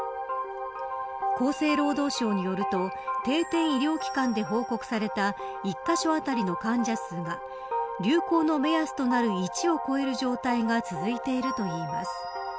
厚生労働省によると定点医療機関で報告された一カ所あたりの患者数が流行の目安となる１を超える状態が続いているといいます。